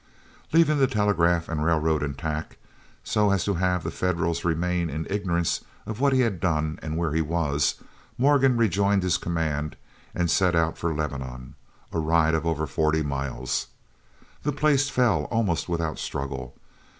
Leaving the telegraph and railroad intact, so as to have the Federals remain in ignorance of what he had done and where he was, Morgan rejoined his command and set out for Lebanon, a ride of over forty miles. The place fell, almost without struggle.